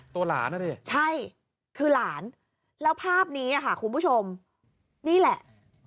ตัวหลานอ่ะดิใช่คือหลานแล้วภาพนี้ค่ะคุณผู้ชมนี่แหละ